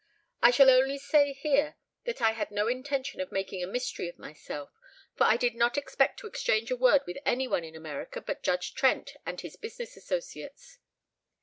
I shall only say here that I had no intention of making a mystery of myself, for I did not expect to exchange a word with any one in America but Judge Trent and his business associates.